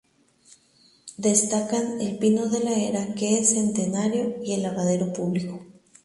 Destacan "El Pino de la Era", que es centenario, y el lavadero público.